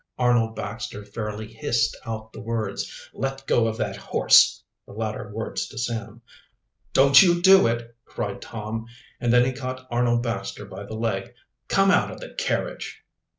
Arnold Baxter fairly hissed out the words. "Let go of that horse" the latter words to Sam. "Don't you do it!" cried Tom, and then he caught Arnold Baxter by the leg. "Come out of the carriage."